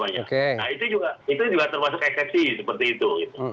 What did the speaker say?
nah itu juga termasuk eksepsi seperti itu